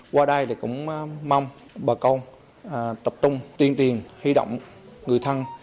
qua đây thì cũng mong bà con tập trung tuyên truyền huy động người thân